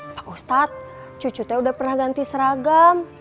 pak ustadz cucu saya udah pernah ganti seragam